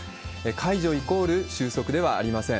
解除イコール収束ではありません。